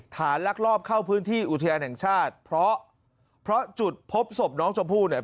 ถามรักรอบเข้าพื้นที่อุทยานแห่งชาติเพราะจุดพบสมน้องจมพู่เนี่ย